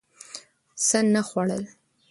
څه نه خوړل